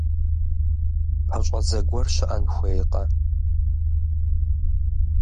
ПэщӀэдзэ гуэр щыӀэн хуейкъэ?